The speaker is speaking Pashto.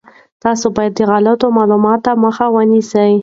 تاسي باید د غلطو معلوماتو مخه ونیسئ.